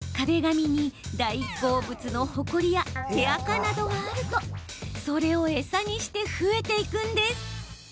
壁紙に、大好物のホコリや手あかなどがあるとそれを餌にして増えていくんです。